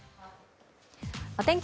お天気